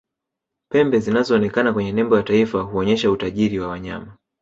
pembe zinazoonekana kwenye nembo ya taifa huonesha utajiri wa wanyama